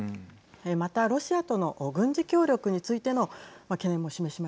またロシアとの軍事協力についてのなるほど。